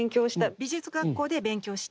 美術学校で勉強した。